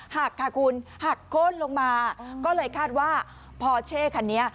หักค่ะคุณหักโค้นลงมาก็เลยคาดว่าพอเช่คันนี้